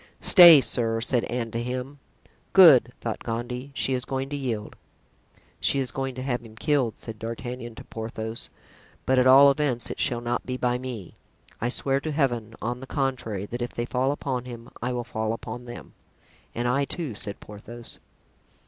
"Stay, sir," said Anne to him. "Good," thought Gondy, "she is going to yield." ("She is going to have him killed," said D'Artagnan to Porthos, "but at all events it shall not be by me. I swear to Heaven, on the contrary, that if they fall upon him I will fall upon them." "And I, too," said Porthos.)